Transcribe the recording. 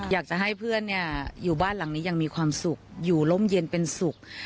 อยากจะให้เพื่อนอยู่บ้านหลังนี้ยังมีความสุขอยู่ร่มเย็นเป็นสุข